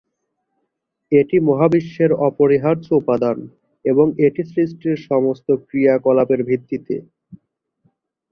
এটি মহাবিশ্বের অপরিহার্য উপাদান, এবং এটি সৃষ্টির সমস্ত ক্রিয়াকলাপের ভিত্তিতে।